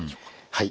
はい。